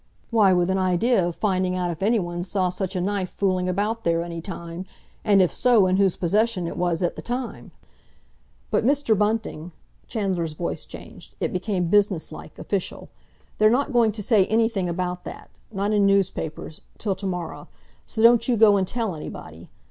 "Why, with an idea of finding out if anyone saw such a knife fooling about there any time, and, if so, in whose possession it was at the time. But, Mr. Bunting"—Chandler's voice changed; it became businesslike, official—"they're not going to say anything about that—not in newspapers—till to morrow, so don't you go and tell anybody.